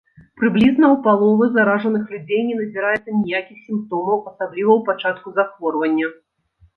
Прыблізна ў паловы заражаных людзей не назіраецца ніякіх сімптомаў, асабліва ў пачатку захворвання.